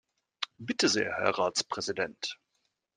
Bitte sehr, Herr Ratspräsident!